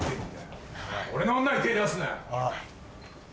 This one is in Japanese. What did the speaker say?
俺の女に手出すなよ！